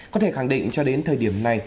có thể khẳng định cho đến thời điểm này